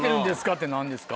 って何ですか。